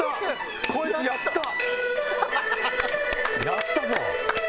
やったぞ。